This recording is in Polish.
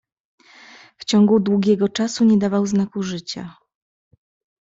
"W ciągu długiego czasu nie dawał znaku życia."